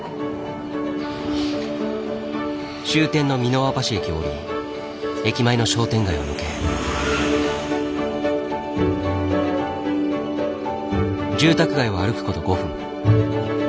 終点の三ノ輪橋駅を降り駅前の商店街を抜け住宅街を歩くこと５分。